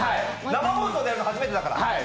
生放送でやるの初めてだから。